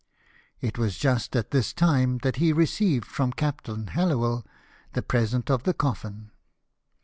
It was just at this time that he received from Captain Hallowell the present of the coffin.